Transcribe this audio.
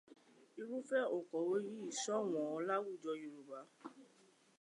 Irúfẹ́ òǹkọ̀wé yìí ṣọ̀wọ́n láwùjọ Yorùbá.